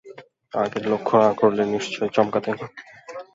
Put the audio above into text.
আগে লক্ষ না-করলে নিশ্চয়ই চমকাতেন।